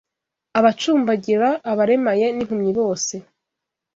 abacumbagira, abaremaye, n’impumyi bose